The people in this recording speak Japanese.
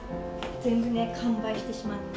全部ね、完売してしまって。